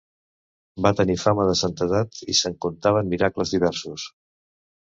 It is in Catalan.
Va tenir fama de santedat i se'n contaven miracles diversos.